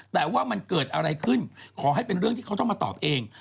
แต่ว่ามันเกิดอะไรขึ้นขอให้เป็นเรื่องที่เขาต้องมาตอบเอง